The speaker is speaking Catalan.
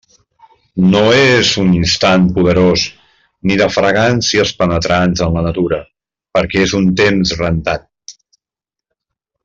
No és un instant poderós, ni de fragàncies penetrants en la natura, perquè és un temps rentat.